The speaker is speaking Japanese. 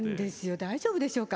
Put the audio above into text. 大丈夫でしょうか。